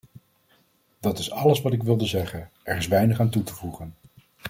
Dat is alles wat ik wilde zeggen: er is weinig aan toe te voegen.